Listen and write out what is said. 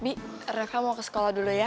bi raka mau ke sekolah dulu ya